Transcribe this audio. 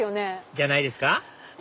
じゃないですか？